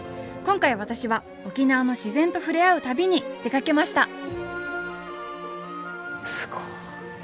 今回私は沖縄の自然と触れ合う旅に出かけました！